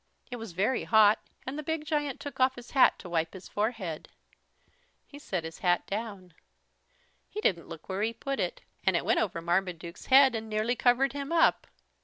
It was very hot and the big giant took off his hat to wipe his forehead. He set his hat down. He didn't look where he put it and it went over Marmaduke's head and nearly covered him up.